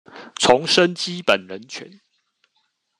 重申基本人權